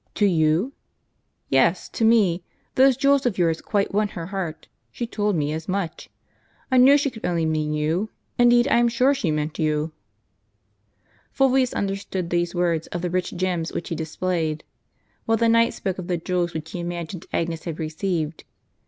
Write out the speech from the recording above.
" To you ?" "Yes, to me; those jewels of yours quite won her heart. She told me as much. I knew she could only mean you. Indeed, I am sure she meant you." Fulvius understood these words of the rich gems which he displayed ; while the knight spoke of the jewels which he imagined Agnes had received.